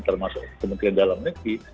termasuk kementerian dalam negeri